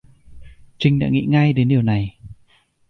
Trinh đã nghĩ ngay đến điều này